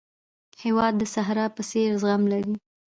هېواد د صحرا په څېر زغم لري.